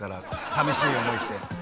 さみしい思いして。